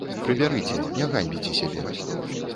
Прыбярыце, не ганьбіце сябе!